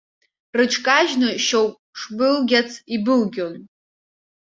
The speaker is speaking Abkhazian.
Рыҽкажьны шьоук шбылгьац ибылгьоит.